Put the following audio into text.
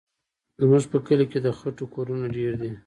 زموږ په کلي کې د خټو کورونه ډېر دي.